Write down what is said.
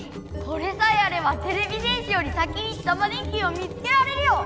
これさえあればてれび戦士より先にタマ電Ｑを見つけられるよ！